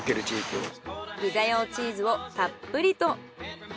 ピザ用チーズをたっぷりと。